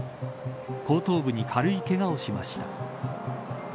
後頭部に軽いけがをしました。